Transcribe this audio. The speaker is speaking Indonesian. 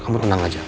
kamu tenang aja